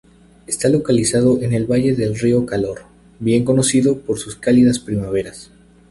Está localizado en el valle del río Calor, bien conocido por sus cálidas primaveras.